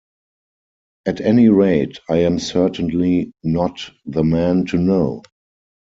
At any rate, I am certainly not the man to know.